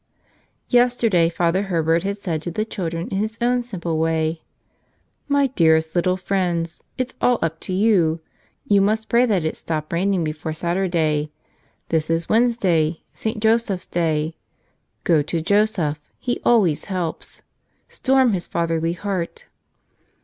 Yesterday Father Herbert had said to the children, in his own simple way, "My dearest little friends, it's all up to you. You must pray that it stop raining before Saturday. This is Wednesday, St. Joseph's day. Go to Joseph : he always helps. Storm his fatherly heart."